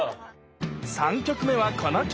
３曲目はこの曲！